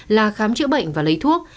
là khám chữa bệnh và lấy thuốc